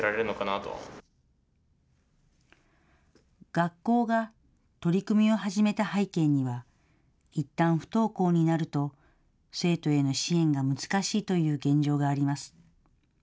学校が取り組みを始めた背景には、いったん不登校になると生徒への支援が難しいという現状があります。